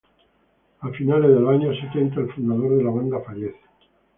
A finales de los años setenta, el fundador de la banda fallece.